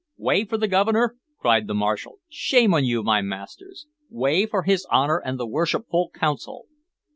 "Way for the Governor!" cried the marshal. "Shame on you, my masters! Way for his Honor and the worshipful Council!"